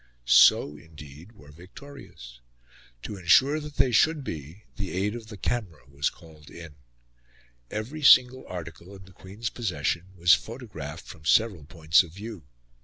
So, indeed, were Victoria's. To ensure that they should be the aid of the camera was called in. Every single article in the Queen's possession was photographed from several points of view.